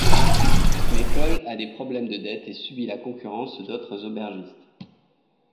Mais Paul a des problèmes de dettes et subit la concurrence d'autres aubergistes.